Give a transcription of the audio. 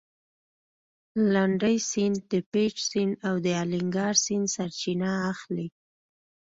لنډی سیند د پېج سیند او د الینګار سیند سرچینه اخلي.